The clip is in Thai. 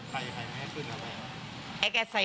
ใครไม่ให้ขึ้นอะไรล่ะ